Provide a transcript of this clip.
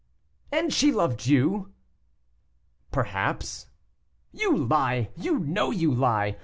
"And she loved you?" "Perhaps." "You lie! you know you lie!